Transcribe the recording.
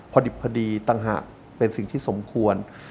พอดิบพอดีต่างหากเป็นสิ่งที่สมควร